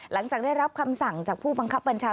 หลังจากได้รับคำสั่งจากผู้บังคับบัญชา